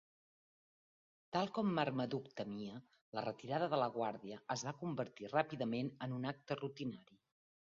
Tal com Marmaduke temia, la retirada de la guàrdia es va convertir ràpidament en un acte rutinari.